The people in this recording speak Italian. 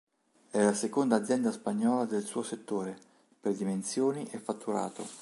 È la seconda azienda spagnola del suo settore, per dimensioni e fatturato.